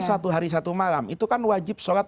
satu hari satu malam itu kan wajib sholat